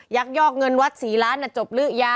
ยักยอกเงินวัดสีล่านจบลื้อยัง